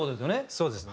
そうですね。